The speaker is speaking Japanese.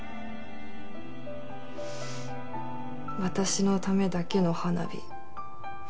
私のためだけの花火。